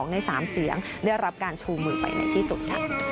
ใน๓เสียงได้รับการชูมือไปในที่สุด